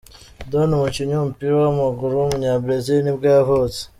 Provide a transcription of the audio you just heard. Doni, umukinnyi w’umupira w’amaguru w’umunyabrazil nibwo yavutse.